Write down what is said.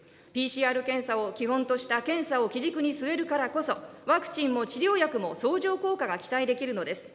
ＰＣＲ検査を基本とした検査を基軸に据えるからこそ、ワクチンも治療薬も相乗効果が期待できるのです。